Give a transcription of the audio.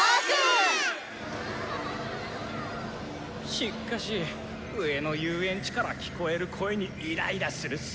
・しっかし上の遊園地から聞こえる声にイライラするっス。